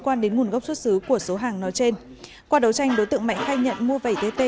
quan đến nguồn gốc xuất xứ của số hàng nói trên qua đấu tranh đối tượng mạnh khai nhận mua bảy tt